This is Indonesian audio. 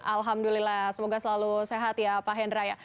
alhamdulillah semoga selalu sehat ya pak hendra ya